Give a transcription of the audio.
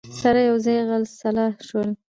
سره یوځای خلع سلاح شول